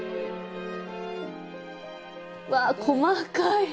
うわ細かい！